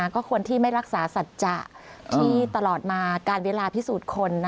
ก็คนที่ไม่รักษาสัจจะที่ตลอดมาการเวลาพิสูจน์คน